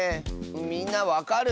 みんなわかる？